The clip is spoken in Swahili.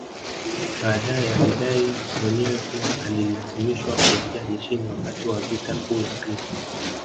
Baadae alidai mwenyewe kuwa alilazimishwa kuingia jeshini wakati wa vita kuu ya pili